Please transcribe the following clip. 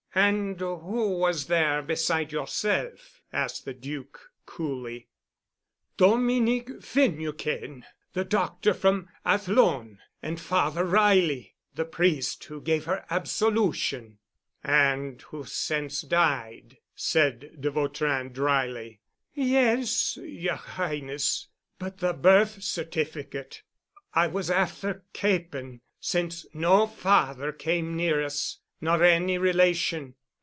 "And who was there beside yourself," asked the Duc coolly. "Dominick Finucane, the doctor from Athlone, and Father Reilly, the priest who gave her Absolution——" "And who has since died," said de Vautrin dryly. "Yes, yer Highness—but the birth certificate I was afther kapin' since no father came near us, nor any relation.